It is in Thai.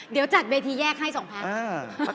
เดี๋ยวจัดเบสทีแยกให้สองครั้ง